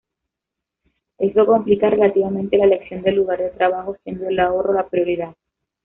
Eso complica relativamente la elección del lugar de trabajo, siendo el ahorro la prioridad.